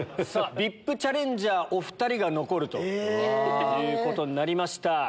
ＶＩＰチャレンジャーお２人が残るということになりました。